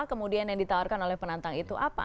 kemudian yang ditawarkan oleh penantang itu apa